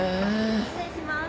失礼します。